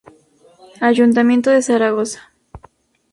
Ayuntamiento de Zaragoza